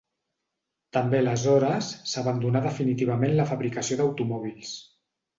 També aleshores s'abandonà definitivament la fabricació d'automòbils.